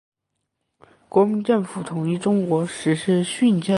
国民政府统一中国，实施训政。